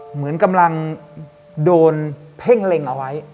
เหมือนกำลังโดนเพ่งเล็งเอาไว้